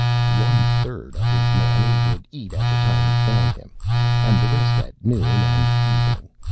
One third of his man he would eat at the time he found him, and the rest at noon and evening.